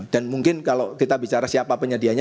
dan mungkin kalau kita bicara siapa penyedianya